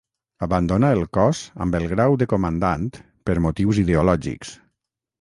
Abandonà el Cos amb el grau de comandant per motius ideològics.